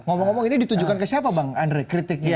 ngomong ngomong ini ditujukan ke siapa bang andre kritiknya